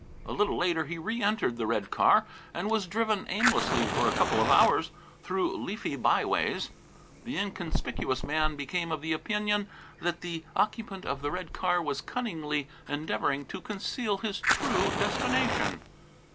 A little later he reëntered the red car and was driven aimlessly for a couple of hours through leafy by ways. The inconspicuous man became of the opinion that the occupant of the red car was cunningly endeavouring to conceal his true destination.